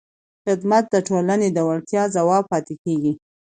خدمت د ټولنې د اړتیاوو ځواب پاتې کېږي.